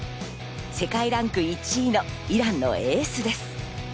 世界ランク１位のイランのエースです。